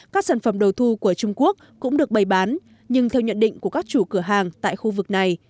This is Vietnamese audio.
các sản phẩm đầu thu của trung quốc cũng được bày bán nhưng theo nhận định của các chủ cửa hàng tại khu vực này